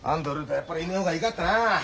やっぱりいねえ方がいかったな。